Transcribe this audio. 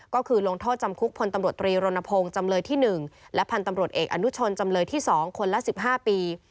ก็คือลงโทษจำคุกพลตำรวจตรีรณพงศ์จำเลยที่๑และพันธ์ตำรวจเอกอนุชนจำเลยที่๒คนละ๑๕ปี